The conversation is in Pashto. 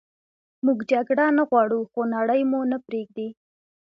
موږ جګړه نه غواړو خو نړئ مو نه پریږدي